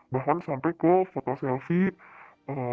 bahkan sampai ke foto selfie